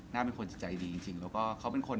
น่าเป็นคนใจใจดีจริงพูดถึงว่ามีคนรอข้างก่อนเสมอนะคะ